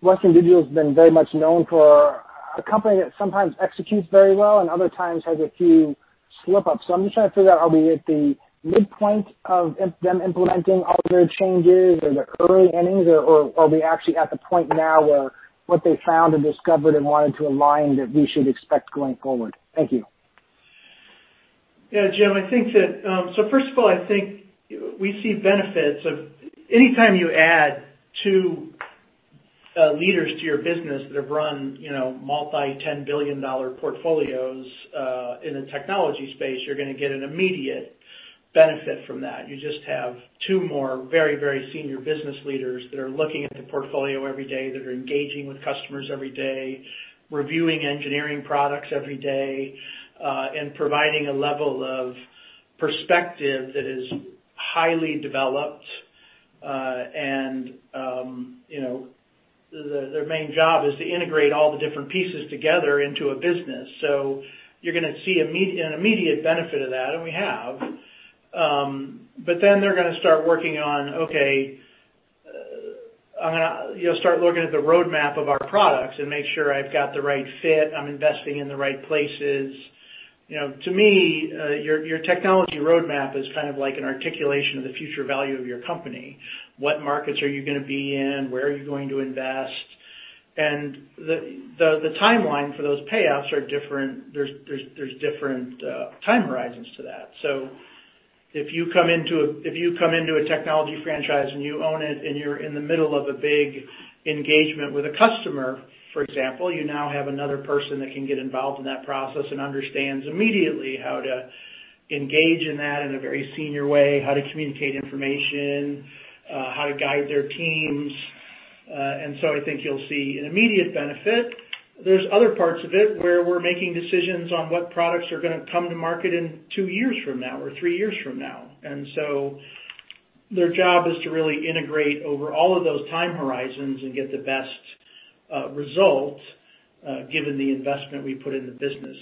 [SPEAKER 18] Western Digital has been very much known for a company that sometimes executes very well and other times has a few slip-ups. I'm just trying to figure out, are we at the midpoint of them implementing all of their changes or the early innings, or are we actually at the point now where what they found and discovered and wanted to align that we should expect going forward? Thank you.
[SPEAKER 3] Yeah, Jim. First of all, I think we see benefits of anytime you add two leaders to your business that have run multi $10 billion portfolios in the technology space, you're going to get an immediate benefit from that. You just have two more very senior business leaders that are looking at the portfolio every day, that are engaging with customers every day, reviewing engineering products every day, and providing a level of perspective that is highly developed. Their main job is to integrate all the different pieces together into a business. You're going to see an immediate benefit of that, and we have. They're going to start working on, okay, I'm going to start looking at the roadmap of our products and make sure I've got the right fit, I'm investing in the right places. To me, your technology roadmap is like an articulation of the future value of your company. What markets are you going to be in? Where are you going to invest? The timeline for those payoffs are different. There's different time horizons to that. If you come into a technology franchise and you own it and you're in the middle of a big engagement with a customer, for example, you now have another person that can get involved in that process and understands immediately how to engage in that in a very senior way, how to communicate information, how to guide their teams. I think you'll see an immediate benefit. There's other parts of it where we're making decisions on what products are going to come to market in two years from now or three years from now. Their job is to really integrate over all of those time horizons and get the best result given the investment we put in the business.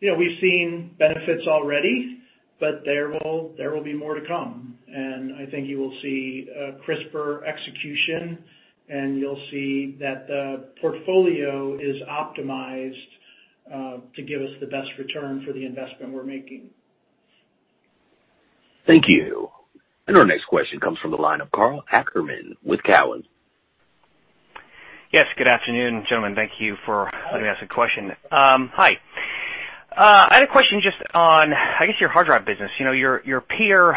[SPEAKER 3] We've seen benefits already, but there will be more to come. I think you will see crisper execution, and you'll see that the portfolio is optimized to give us the best return for the investment we're making.
[SPEAKER 1] Thank you. Our next question comes from the line of Karl Ackerman with Cowen.
[SPEAKER 19] Yes, good afternoon, gentlemen. Thank you for letting me ask a question. Hi. I had a question just on, I guess, your hard drive business. Your peer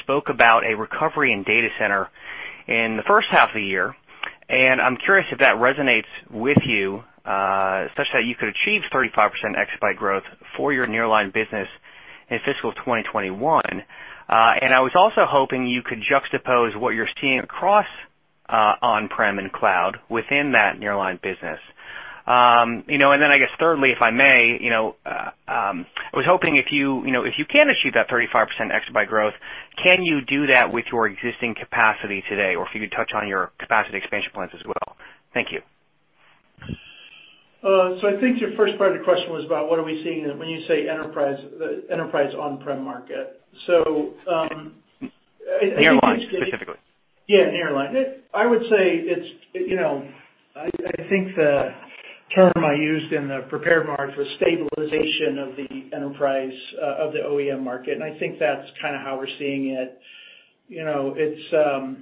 [SPEAKER 19] spoke about a recovery in data center in the first half of the year, I'm curious if that resonates with you such that you could achieve 35% exabyte growth for your nearline business in fiscal 2021. I was also hoping you could juxtapose what you're seeing across on-prem and cloud within that nearline business. Then I guess thirdly, if I may, I was hoping if you can achieve that 35% exabyte growth, can you do that with your existing capacity today? Or if you could touch on your capacity expansion plans as well. Thank you.
[SPEAKER 3] I think your first part of the question was about what are we seeing when you say enterprise on-prem market.
[SPEAKER 19] Nearline, specifically.
[SPEAKER 3] Yeah, nearline. I would say I think the term I used in the prepared remarks was stabilization of the enterprise of the OEM market. I think that's how we're seeing it. It's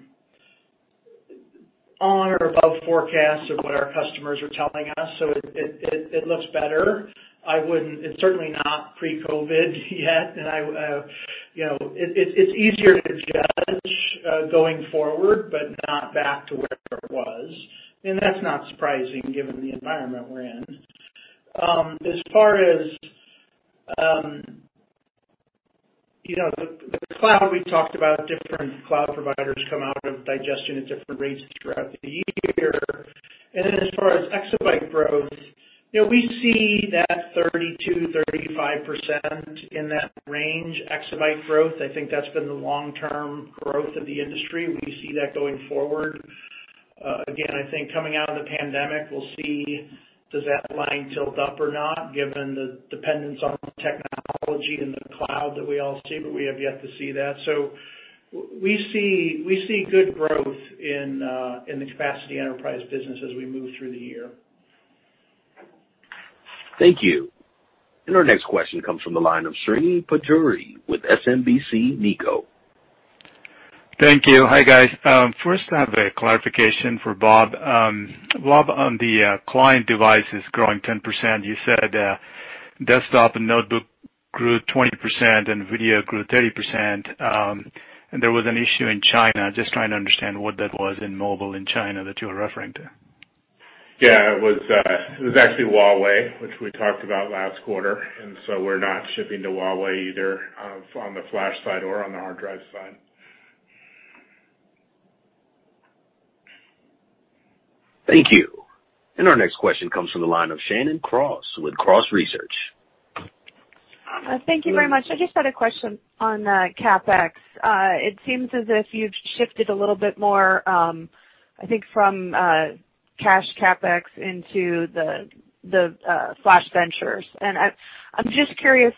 [SPEAKER 3] on or above forecast of what our customers are telling us. It looks better. It's certainly not pre-COVID yet. It's easier to judge going forward, not back to where it was. That's not surprising given the environment we're in. As far as the cloud, we talked about different cloud providers come out of digestion at different rates throughout the year. As far as exabyte growth, we see that 32%-35% in that range, exabyte growth. I think that's been the long-term growth of the industry. We see that going forward. I think coming out of the pandemic, we'll see does that line tilt up or not, given the dependence on technology in the cloud that we all see, but we have yet to see that. We see good growth in the capacity enterprise business as we move through the year.
[SPEAKER 1] Thank you. Our next question comes from the line of Srini Pajjuri with SMBC Nikko.
[SPEAKER 20] Thank you. Hi, guys. First I have a clarification for Bob. Bob, on the client devices growing 10%, you said desktop and notebook grew 20% and video grew 30%, and there was an issue in China. Just trying to understand what that was in mobile in China that you were referring to.
[SPEAKER 4] Yeah. It was actually Huawei, which we talked about last quarter. We're not shipping to Huawei either on the flash side or on the hard drive side.
[SPEAKER 1] Thank you. Our next question comes from the line of Shannon Cross with Cross Research.
[SPEAKER 21] Thank you very much. I just had a question on CapEx. It seems as if you've shifted a little bit more, I think, from cash CapEx into the flash ventures. I'm just curious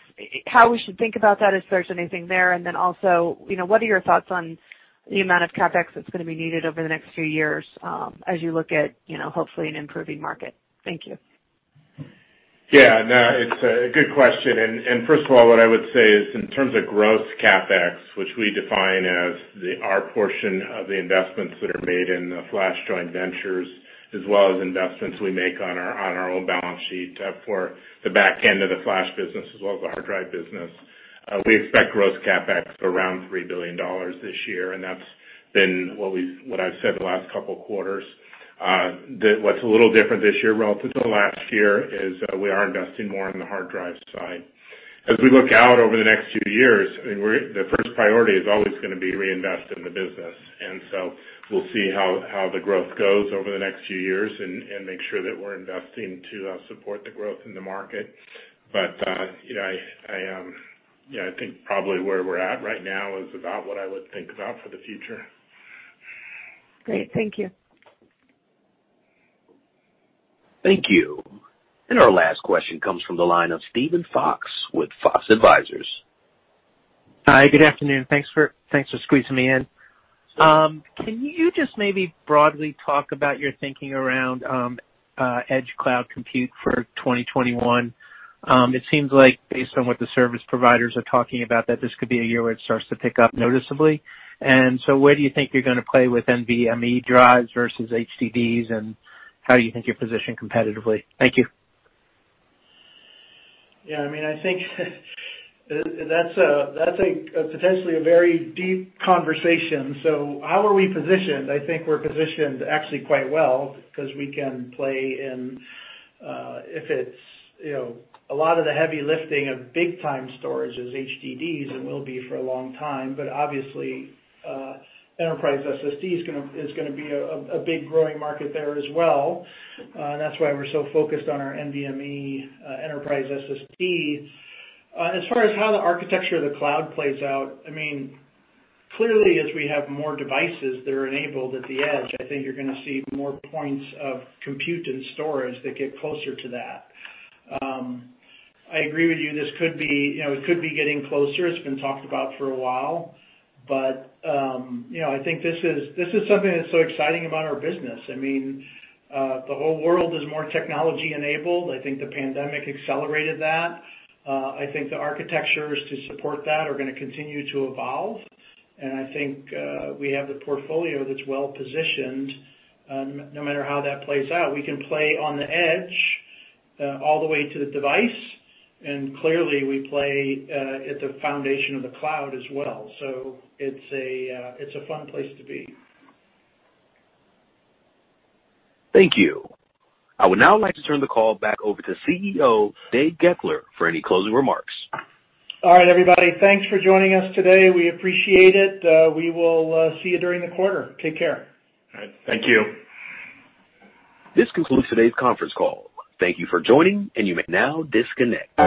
[SPEAKER 21] how we should think about that, if there's anything there, and then also, what are your thoughts on the amount of CapEx that's going to be needed over the next few years as you look at hopefully an improving market. Thank you.
[SPEAKER 4] Yeah, no, it's a good question. First of all, what I would say is in terms of gross CapEx, which we define as our portion of the investments that are made in the flash joint ventures, as well as investments we make on our own balance sheet for the back end of the flash business as well as the hard drive business, we expect gross CapEx around $3 billion this year, and that's been what I've said the last couple of quarters. What's a little different this year relative to last year is we are investing more on the hard drive side. As we look out over the next few years, the first priority is always going to be reinvest in the business. We'll see how the growth goes over the next few years and make sure that we're investing to support the growth in the market. I think probably where we're at right now is about what I would think about for the future.
[SPEAKER 21] Great. Thank you.
[SPEAKER 1] Thank you. Our last question comes from the line of Steven Fox with Fox Advisors.
[SPEAKER 22] Hi, good afternoon. Thanks for squeezing me in. Can you just maybe broadly talk about your thinking around edge cloud compute for 2021? It seems like based on what the service providers are talking about, that this could be a year where it starts to pick up noticeably. Where do you think you're going to play with NVMe drives versus HDDs, and how do you think you're positioned competitively? Thank you.
[SPEAKER 3] Yeah, I think that's potentially a very deep conversation. How are we positioned? I think we're positioned actually quite well because we can play in a lot of the heavy lifting of big time storage is HDDs and will be for a long time. Obviously, enterprise SSD is going to be a big growing market there as well. That's why we're so focused on our NVMe enterprise SSD. As far as how the architecture of the cloud plays out, clearly as we have more devices that are enabled at the edge, I think you're going to see more points of compute and storage that get closer to that. I agree with you, it could be getting closer. It's been talked about for a while. I think this is something that's so exciting about our business. The whole world is more technology-enabled. I think the pandemic accelerated that. I think the architectures to support that are going to continue to evolve, and I think we have the portfolio that's well-positioned. No matter how that plays out, we can play on the edge all the way to the device, and clearly we play at the foundation of the cloud as well. It's a fun place to be.
[SPEAKER 1] Thank you. I would now like to turn the call back over to CEO, Dave Goeckeler, for any closing remarks.
[SPEAKER 3] All right, everybody. Thanks for joining us today. We appreciate it. We will see you during the quarter. Take care.
[SPEAKER 4] All right. Thank you.
[SPEAKER 1] This concludes today's conference call. Thank you for joining, and you may now disconnect.